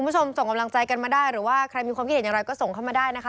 ส่งกำลังใจกันมาได้หรือว่าใครมีความคิดเห็นอย่างไรก็ส่งเข้ามาได้นะคะ